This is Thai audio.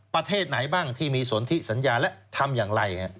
ประเทศไหนบ้างที่มีสนทิสัญญาและทำอย่างไร